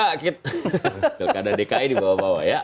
pilkada dki di bawah bawah ya